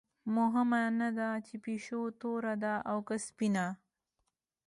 مهمه نه ده چې پیشو توره ده او که سپینه.